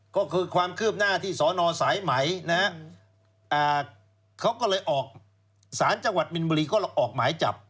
ก็คือความคืบหน้าที่สอนอสายไหมนะฮะเขาก็เลยออกสารจังหวัดมินบุรีก็ออกหมายจับ